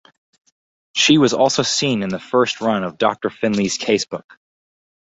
She was also seen in the first run of "Doctor Finlay's Casebook".